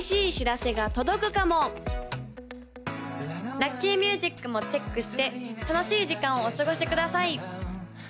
・ラッキーミュージックもチェックして楽しい時間をお過ごしください